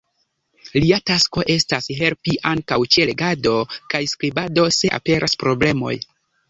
Lia tasko estas helpi ankaŭ ĉe legado kaj skribado, se aperas problemoj.